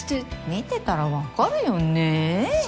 見てたらわかるよね。